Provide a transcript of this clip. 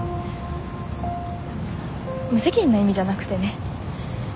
無責任な意味じゃなくてね。